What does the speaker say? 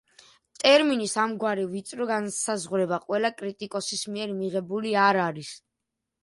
ტერმინის ამგვარი ვიწრო განსაზღვრება ყველა კრიტიკოსის მიერ მიღებული არ არის.